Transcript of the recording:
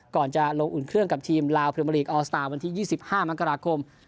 ก่อนจะลงอุ่นเครื่องกับทีมลาวพรีเมอร์ลีกออสตาร์วันที่๒๕มกราคม